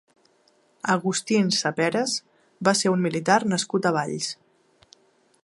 Agustín Saperes va ser un militar nascut a Valls.